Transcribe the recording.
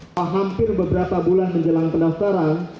setelah hampir beberapa bulan menjelang pendaftaran